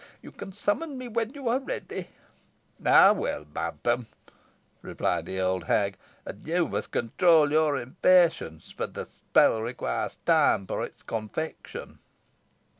You can summon me when you are ready." "I will, madam," replied the old hag, "and you must control your impatience, for the spell requires time for its confection."